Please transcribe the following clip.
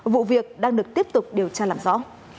vụ việc đang được tiếp tục điều tra làm rõ